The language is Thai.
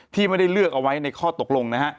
ที่ไม่ได้เลือกเอาไว้ในข้อตกลงนะฮะ